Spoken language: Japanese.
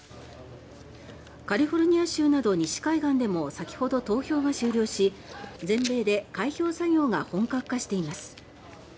カリフォルニア州など西海岸でも先ほど投票が終了し全米で開票作業が本格化しています。